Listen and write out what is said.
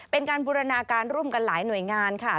เป็นการบูรณาการร่วมกันหลายหน่วยงานค่ะ